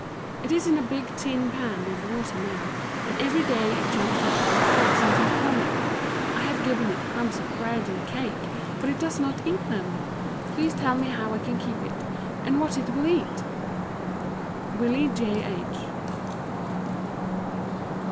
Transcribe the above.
It is in a big tin pan of water now, and every day it jumps out and hides in some corner. I have given it crumbs of bread and cake, but it does not eat them. Please tell me how I can keep it, and what it will eat. WILLIE J. H.